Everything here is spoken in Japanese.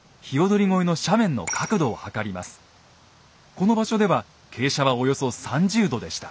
この場所では傾斜はおよそ３０度でした。